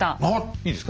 いいですか？